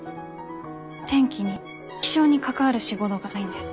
天気に気象に関わる仕事がしたいんです。